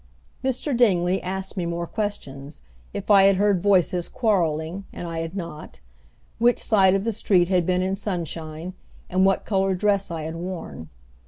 Mr. Dingley asked me more questions if I had heard voices quarreling, and I had not; which side of the street had been in sunshine, and what color dress I had worn.